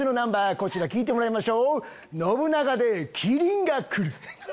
こちら聴いてもらいましょう信長で「麒麟がくる」。